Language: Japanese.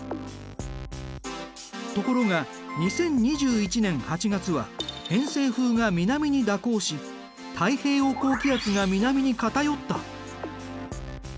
ところが２０２１年８月は偏西風が南に蛇行し太平洋高気圧が南にかたよった。